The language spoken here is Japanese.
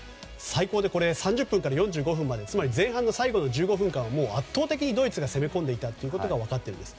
最高で３０分から４５分までつまり前半の最後の１５分間は圧倒的にドイツが攻め込んでいたことが分かっているんです。